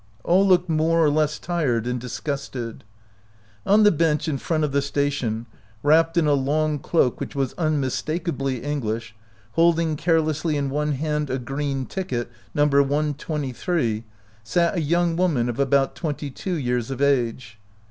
All looked more or less tired and disgusted. On the bench in front of the station, wrapped in a long cloak which was unmistak ably English, holding carelessly in one hand a green ticket, No. 123, sat a young woman of about twenty two years of age.